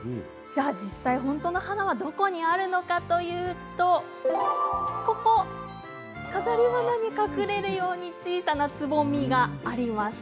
実際、本当の花はどこにあるのかというと飾り花に隠れるように小さなつぼみがあります。